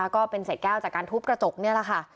ก็เป็นเศษแก้วจากการทุบกระจกนี่แหละค่ะ